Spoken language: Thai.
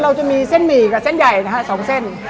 จะมีเส้นหมี่กับเส้นใหญ่นะฮะ๒เส้น